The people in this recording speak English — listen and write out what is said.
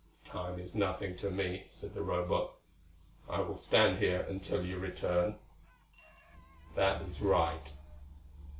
"Time is nothing to me," said the Robot. "I will stand here until you return." "That is right."